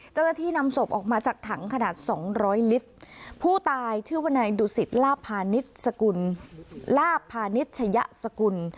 เจ้าหน้าที่นำศพออกมาจากถังขนาดสองร้อยลิตรผู้ตายชื่อวนายดุสิตลาพาณิชย์สกุลลาบพาณิชยะสกุล